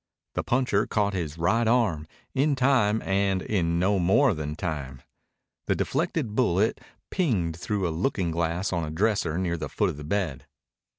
The puncher caught his right arm, in time and in no more than time. The deflected bullet pinged through a looking glass on a dresser near the foot of the bed.